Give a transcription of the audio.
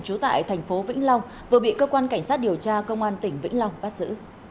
trú tại thành phố vĩnh long vừa bị cơ quan cảnh sát điều tra công an tỉnh vĩnh long bắt giữ